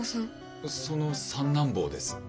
その三男坊です。